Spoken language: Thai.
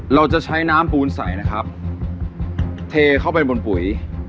เราจะใช้น้ำปูนใสนะครับเทเข้าไปบนปุ๋ย